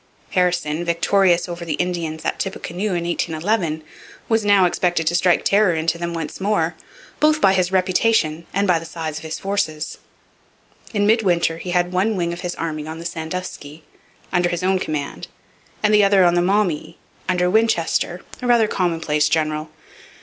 Harrison, victorious over the Indians at Tippecanoe in 1811, was now expected to strike terror into them once more, both by his reputation and by the size of his forces. In midwinter he had one wing of his army on the Sandusky, under his own command, and the other on the Maumee, under Winchester, a rather commonplace general.